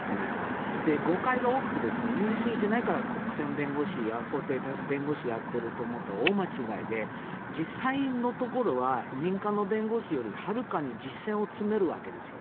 それで、誤解が多くて優秀じゃないから国選弁護士、法廷弁護士をやっていると思ったら大間違えで実際のところは民間の弁護士よりはるかに実践を積めるわけですよ。